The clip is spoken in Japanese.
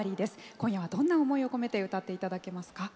今夜は、どんな思いを込めて歌っていただきますか？